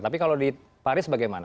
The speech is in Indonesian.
tapi kalau di paris bagaimana